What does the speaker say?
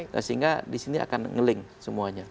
nah sehingga di sini akan nge link semuanya